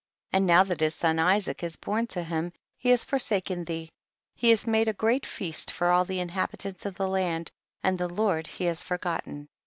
5L And now that his son Isaac is born to him, he has forsaken thee, he has made a great feast for all the inhabitants of the land, and the Lord he has forgotten.